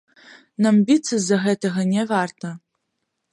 Нам біцца з-за гэтага не варта.